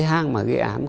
cái hang mà gây án